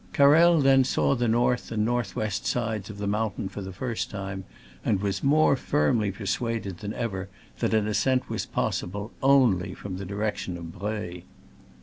Carrel then saw the north and north west sides of the moun tain for the first time, and was more firmly persuaded than ever that an ascent was possible only from the di rection of Breuil.